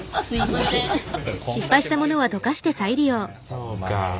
そうか。